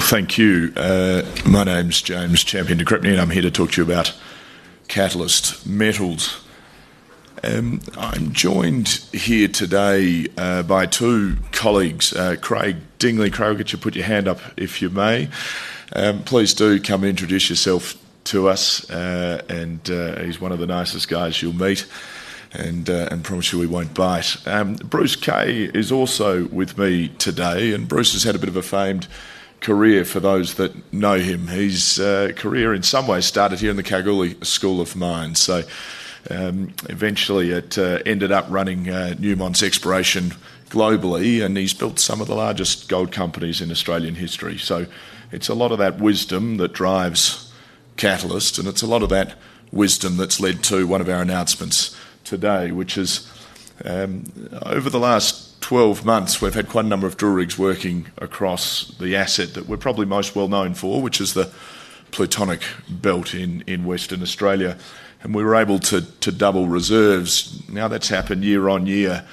Thank you. My name's James de Crespigny, and I'm here to talk to you about Catalyst Metals. I'm joined here today by two colleagues. Craig Dingley, Craig, I'll get you to put your hand up if you may. Please do come introduce yourself to us, and he's one of the nicest guys you'll meet, and I promise you we won't bite. Bruce Kay is also with me today, and Bruce has had a bit of a famed career, for those that know him. His career in some ways started here in the Kalgoorlie School of Mines. Eventually, it ended up running Newmont's Exploration globally, and he's built some of the largest gold companies in Australian history. It's a lot of that wisdom that drives Catalyst, and it's a lot of that wisdom that's led to one of our announcements today, which is, over the last 12 months, we've had quite a number of drill rigs working across the asset that we're probably most well known for, which is the Plutonic Gold Belt in Western Australia. We were able to double reserves. That's happened year on year,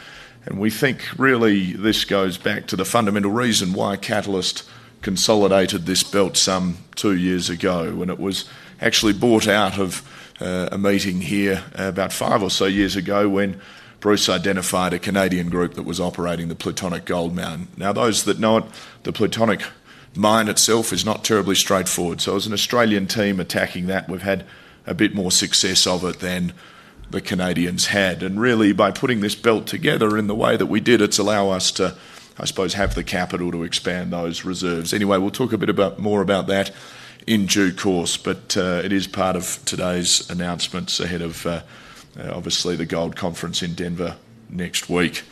and we think really this goes back to the fundamental reason why Catalyst consolidated this belt some two years ago, and it was actually bought out of a meeting here about five or so years ago when Bruce identified a Canadian group that was operating the Plutonic Gold Mine. Those that know it, the Plutonic mine itself is not terribly straightforward. As an Australian team attacking that, we've had a bit more success of it than the Canadians had. By putting this belt together in the way that we did, it's allowed us to, I suppose, have the capital to expand those reserves. We'll talk a bit more about that in due course, but it is part of today's announcements ahead of, obviously, the Gold Conference in Denver next week.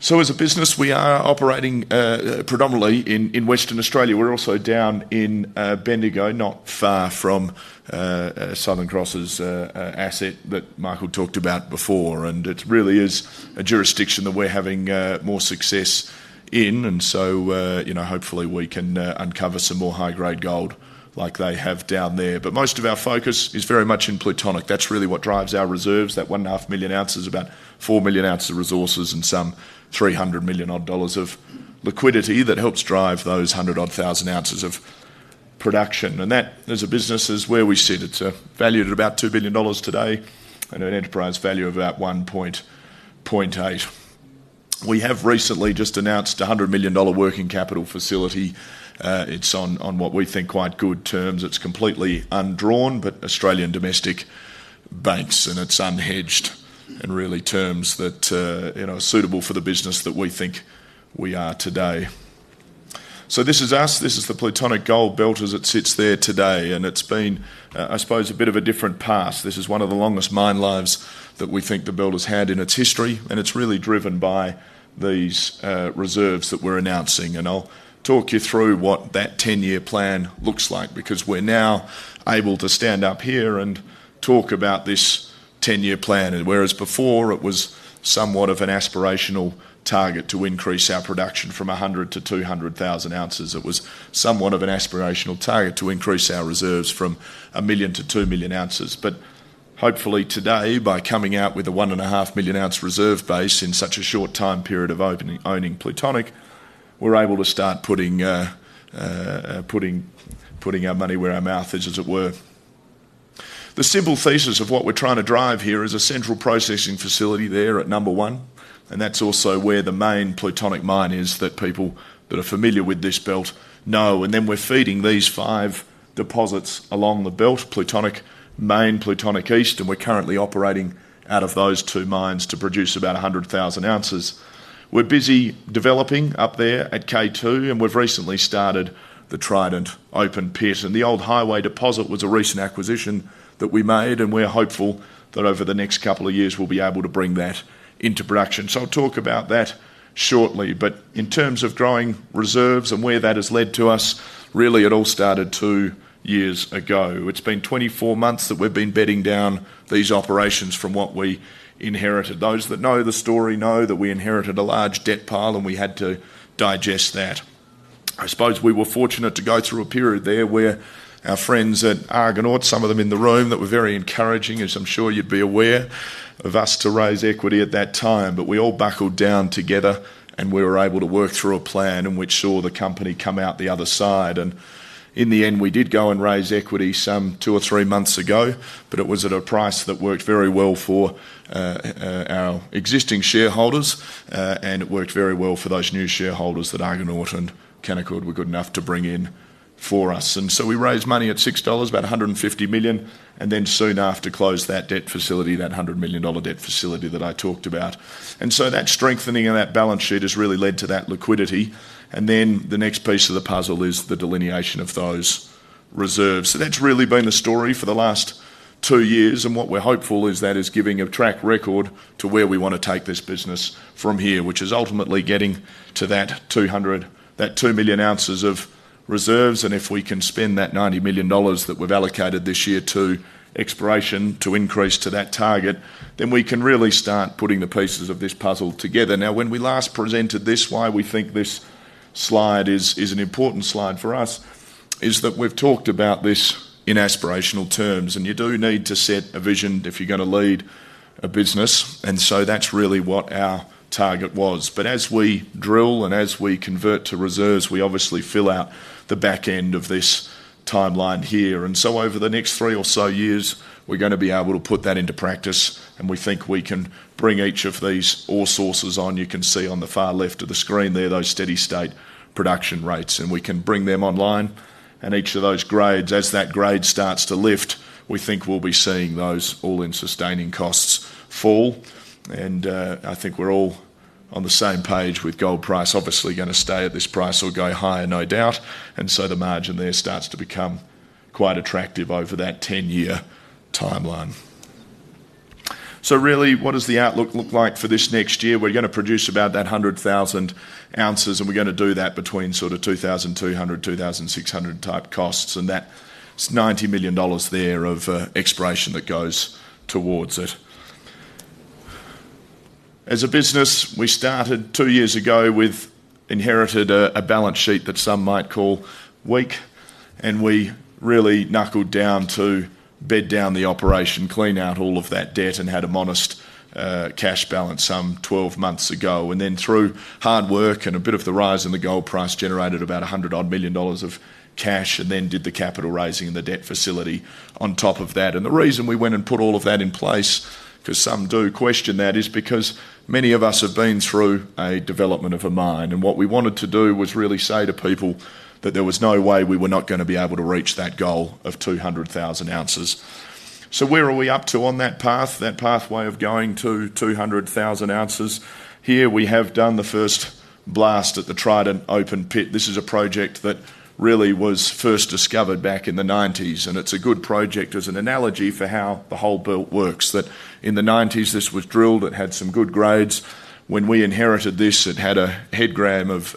As a business, we are operating predominantly in Western Australia. We're also down in Bendigo, not far from Southern Cross's asset that Michael talked about before, and it really is a jurisdiction that we're having more success in. Hopefully we can uncover some more high-grade gold like they have down there. Most of our focus is very much in Plutonic. That's really what drives our reserves. That one and a half million ounces is about four million ounces of resources and some $300 million of liquidity that helps drive those hundred thousand ounces of production. That, as a business, is where we sit. It's valued at about $2 billion today and an enterprise value of about $1.8 billion. We have recently just announced a $100 million working capital facility. It's on what we think are quite good terms. It's completely undrawn, with Australian domestic banks, and it's unhedged and really terms that are suitable for the business that we think we are today. This is us. This is the Plutonic Gold Belt as it sits there today, and it's been, I suppose, a bit of a different path. This is one of the longest mine lives that we think the belt has had in its history, and it's really driven by these reserves that we're announcing. I'll talk you through what that 10-year plan looks like because we're now able to stand up here and talk about this 10-year plan. Whereas before it was somewhat of an aspirational target to increase our production from 100,000 to 200,000 ounces, it was somewhat of an aspirational target to increase our reserves from a million to 2 million ounces. Hopefully today, by coming out with a 1.5 million ounce reserve base in such a short time period of owning Plutonic, we're able to start putting our money where our mouth is, as it were. The simple thesis of what we're trying to drive here is a central processing facility there at number one, and that's also where the main Plutonic mine is that people that are familiar with this belt know. We're feeding these five deposits along the belt: Plutonic Main, Plutonic East, and we're currently operating out of those two mines to produce about 100,000 ounces. We're busy developing up there at K2, and we've recently started the Trident open pit, and the Old Highway project was a recent acquisition that we made, and we're hopeful that over the next couple of years we'll be able to bring that into production. I'll talk about that shortly. In terms of growing reserves and where that has led to us, really it all started two years ago. It's been 24 months that we've been bedding down these operations from what we inherited. Those that know the story know that we inherited a large debt pile and we had to digest that. I suppose we were fortunate to go through a period there where our friends at Argonaut, some of them in the room that were very encouraging, as I'm sure you'd be aware, of us to raise equity at that time. We all buckled down together and we were able to work through a plan and we saw the company come out the other side. In the end, we did go and raise equity some two or three months ago, but it was at a price that worked very well for our existing shareholders, and it worked very well for those new shareholders that Argonaut and Canaccord were good enough to bring in for us. We raised money at $6, about $150 million, and then soon after closed that debt facility, that $100 million debt facility that I talked about. That strengthening of that balance sheet has really led to that liquidity. The next piece of the puzzle is the delineation of those reserves. That's really been the story for the last two years, and what we're hopeful is that is giving a track record to where we want to take this business from here, which is ultimately getting to that 2 million ounces of reserves. If we can spend that $90 million that we've allocated this year to exploration to increase to that target, then we can really start putting the pieces of this puzzle together. When we last presented this, why we think this slide is an important slide for us is that we've talked about this in aspirational terms, and you do need to set a vision if you're going to lead a business. That's really what our target was. As we drill and as we convert to reserves, we obviously fill out the back end of this timeline here. Over the next three or so years, we're going to be able to put that into practice, and we think we can bring each of these all sources on. You can see on the far left of the screen there, those steady state production rates, and we can bring them online. Each of those grades, as that grade starts to lift, we think we'll be seeing those all-in sustaining costs fall. I think we're all on the same page with gold price obviously going to stay at this price or go higher, no doubt. The margin there starts to become quite attractive over that 10-year timeline. What does the outlook look like for this next year? We're going to produce about that 100,000 ounces, and we're going to do that between sort of $2,200, $2,600 type costs. That's $90 million there of exploration that goes towards it. As a business, we started two years ago with inherited a balance sheet that some might call weak, and we really knuckled down to bed down the operation, clean out all of that debt, and had a modest cash balance some 12 months ago. Through hard work and a bit of the rise in the gold price, generated about $100 million of cash, and then did the capital raising and the debt facility on top of that. The reason we went and put all of that in place, because some do question that, is because many of us have been through a development of a mine. What we wanted to do was really say to people that there was no way we were not going to be able to reach that goal of 200,000 ounces. Where are we up to on that path, that pathway of going to 200,000 ounces? Here we have done the first blast at the Trident open pit. This is a project that really was first discovered back in the 1990s, and it's a good project as an analogy for how the whole belt works. In the 1990s, this was drilled, it had some good grades. When we inherited this, it had a head grade of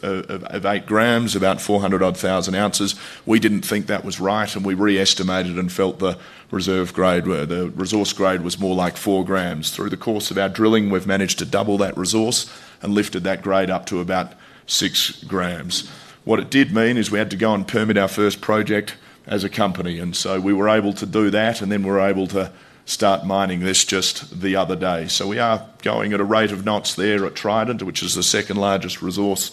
eight grams, about 400,000 ounces. We didn't think that was right, and we re-estimated and felt the reserve grade, the resource grade, was more like four grams. Through the course of our drilling, we've managed to double that resource and lifted that grade up to about six grams. What it did mean is we had to go and permit our first project as a company, and we were able to do that, and then we were able to start mining this just the other day. We are going at a rate of knots there at Trident, which is the second largest resource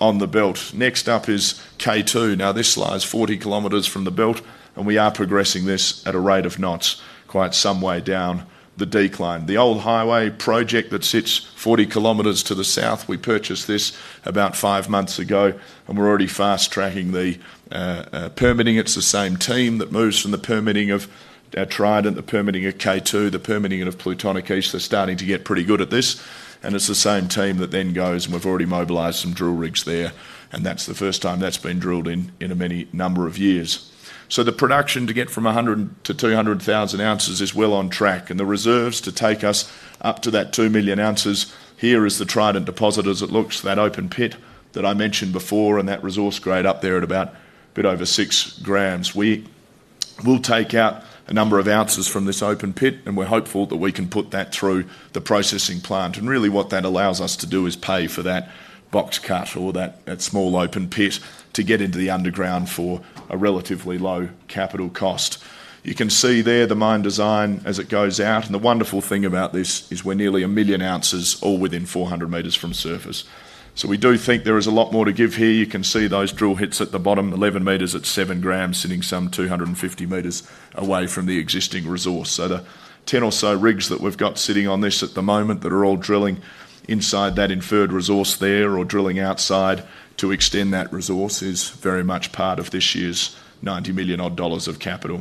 on the belt. Next up is K2. This site is 40 kilometers from the belt, and we are progressing this at a rate of knots quite some way down the decline. The Old Highway project that sits 40 kilometers to the south, we purchased this about five months ago, and we're already fast tracking the permitting. It's the same team that moves from the permitting of our Trident, the permitting of K2, the permitting of Plutonic East. They're starting to get pretty good at this, and it's the same team that then goes, and we've already mobilized some drill rigs there, and that's the first time that's been drilled in a number of years. The production to get from 100,000 to 200,000 ounces is well on track, and the reserves to take us up to that 2 million ounces. Here is the Trident deposit as it looks, that open pit that I mentioned before, and that resource grade up there at about a bit over six grams. We will take out a number of ounces from this open pit, and we're hopeful that we can put that through the processing plant. What that allows us to do is pay for that box cut or that small open pit to get into the underground for a relatively low capital cost. You can see there the mine design as it goes out, and the wonderful thing about this is we're nearly a million ounces all within 400 meters from surface. We do think there is a lot more to give here. You can see those drill hits at the bottom, 11 meters at 7 grams, sitting some 250 meters away from the existing resource. The 10 or so rigs that we've got sitting on this at the moment that are all drilling inside that inferred resource there or drilling outside to extend that resource is very much part of this year's $90 million of capital.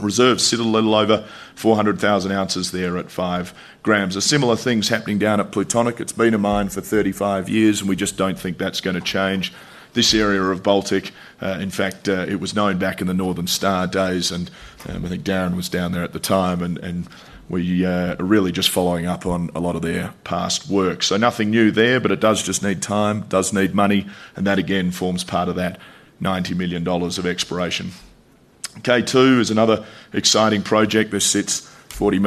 Reserves sit a little over 400,000 ounces there at 5 grams. A similar thing's happening down at Plutonic. It's been a mine for 35 years, and we just don't think that's going to change. This area of Baltic, in fact, it was known back in the Northern Star days, and I think Darren was down there at the time, and we are really just following up on a lot of their past work. Nothing new there, but it does just need time, does need money, and that again forms part of that $90 million of exploration. K2 is another exciting project. This sits 40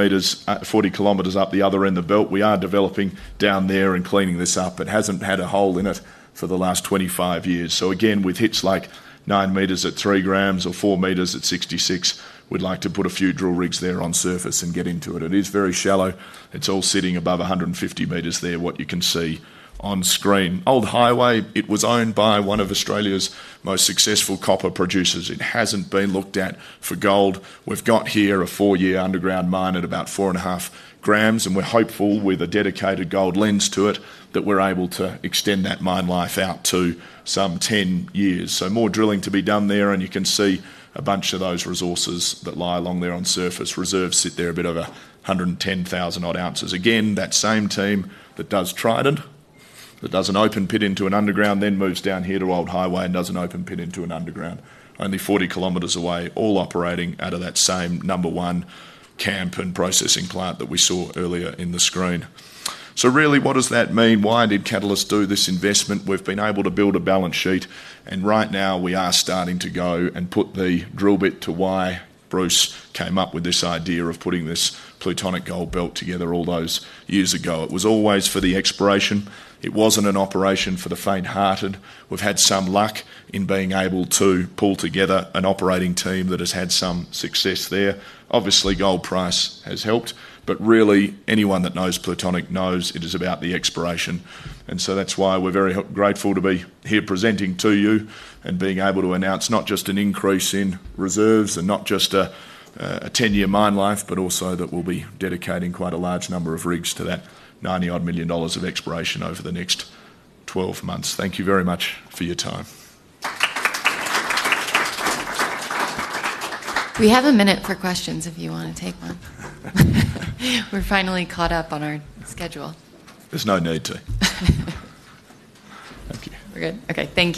kilometers up the other end of the belt. We are developing down there and cleaning this up. It hasn't had a hole in it for the last 25 years. With hits like 9 meters at 3 grams or 4 meters at 66, we'd like to put a few drill rigs there on surface and get into it. It is very shallow. It's all sitting above 150 meters there, what you can see on screen. Old Highway, it was owned by one of Australia's most successful copper producers. It hasn't been looked at for gold. We've got here a four-year underground mine at about 4.5 grams, and we're hopeful with a dedicated gold lens to it that we're able to extend that mine life out to some 10 years. More drilling to be done there, and you can see a bunch of those resources that lie along there on surface. Reserves sit there a bit over 110,000 ounces. That same team that does Trident, that does an open pit into an underground, then moves down here to Old Highway and does an open pit into an underground, only 40 kilometers away, all operating out of that same number one camp and processing plant that we saw earlier in the screen. What does that mean? Why did Catalyst do this investment? We've been able to build a balance sheet, and right now we are starting to go and put the drill bit to why Bruce Kay came up with this idea of putting this Plutonic Gold Belt together all those years ago. It was always for the exploration. It wasn't an operation for the faint-hearted. We've had some luck in being able to pull together an operating team that has had some success there. Obviously, gold price has helped. Really, anyone that knows Plutonic knows it is about the exploration. That's why we're very grateful to be here presenting to you and being able to announce not just an increase in reserves and not just a 10-year mine life, but also that we'll be dedicating quite a large number of rigs to that $90 million of exploration over the next 12 months. Thank you very much for your time. We have a minute for questions if you want to take one. We're finally caught up on our schedule. There's no need to. Thank you. We're good. Okay, thank you.